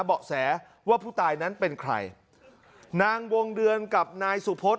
เบาะแสว่าผู้ตายนั้นเป็นใครนางวงเดือนกับนายสุพศ